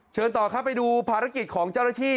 เชิญต่อครับไปดูภารกิจของเจ้าหน้าที่